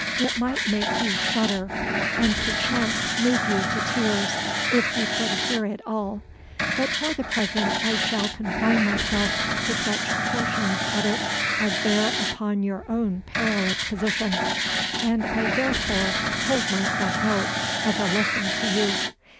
"It might make you shudder, and perchance move you to tears, if you could hear it all; but for the present, I shall confine myself to such portions of it as bear upon your own perilous position and I therefore hold myself out as a lesson to you.